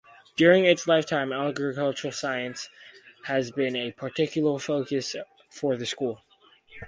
During its lifetime agricultural science has been a particular focus for the school.